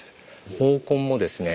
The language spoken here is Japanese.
毛根もですね